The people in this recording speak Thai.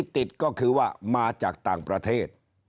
ติดก็คือว่ามาจากต่างประเทศ